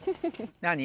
何？